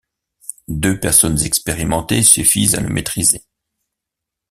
Deux personnes expérimentées suffisent à le maîtriser.